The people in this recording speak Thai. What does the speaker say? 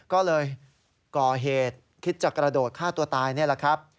ก็เลยก่อเหตุคิดจะกระโดดฆ่าตัวตายนี่แหละครับ